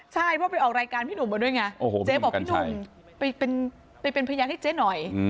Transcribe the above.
ใช่พอไปออกรายการพี่หนุ่มว่าไงเจ๊บอกว่าพี่หนุ่มไปเป็นพยายามให้เจ๊หน่อย